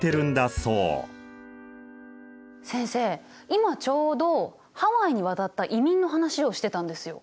今ちょうどハワイに渡った移民の話をしてたんですよ。